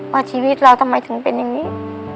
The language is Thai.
ว่าชีวิตเราทำไมถึงเป็นอย่างนี้